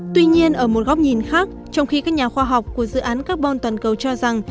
tuy nhiên ở một góc nhìn khác trong khi các nhà khoa học của dự án carbon toàn cầu cho rằng